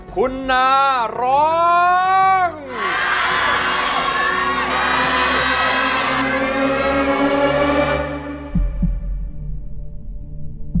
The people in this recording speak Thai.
คุณนาร้องได้